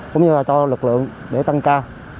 cũng như là cho lực lượng để tăng ca